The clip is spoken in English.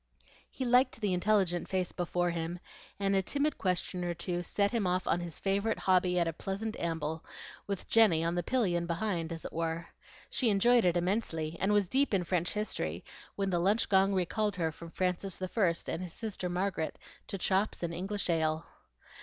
He liked the intelligent face before him, and a timid question or two set him off on his favorite hobby at a pleasant amble, with Jenny on the pillion behind, as it were. She enjoyed it immensely, and was deep in French history, when the lunch gong recalled her from Francis I. and his sister Margaret to chops and English ale.